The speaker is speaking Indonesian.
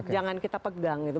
jangan kita pegang gitu